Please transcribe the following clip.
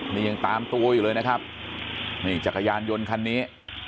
นี่ยังตามตัวอยู่เลยนะครับนี่จักรยานยนต์คันนี้